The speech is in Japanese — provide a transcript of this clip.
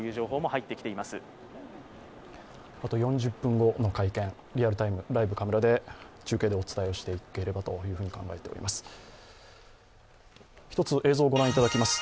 あと４０分後の会見、リアルタイムライブカメラで中継でお伝えしていければと考えています。